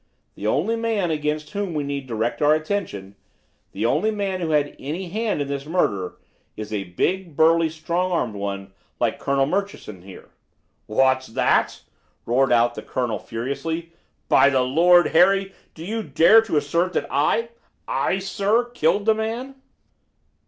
The only man against whom we need direct our attention, the only man who had any hand in this murder, is a big, burly, strong armed one like Colonel Murchison here." "What's that?" roared out the colonel furiously. "By the Lord Harry, do you dare to assert that I I sir killed the man?"